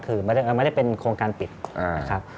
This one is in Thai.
คือไม่ได้เป็นโครงการปิดนะครับ